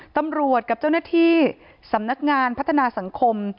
กับเจ้าหน้าที่สำนักงานพัฒนาสังคม